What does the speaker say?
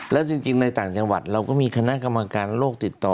แล้วจริงในต่างจังหวัดเราก็มีคณะกรรมการโลกติดต่อ